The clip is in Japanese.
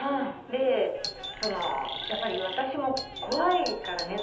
でやっぱり私も怖いからね